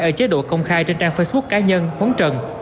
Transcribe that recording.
ở chế độ công khai trên trang facebook cá nhân muốn trần